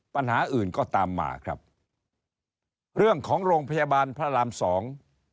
ปัญหาอื่นก็ตามมาครับเรื่องของโรงพยาบาลพระรามสอง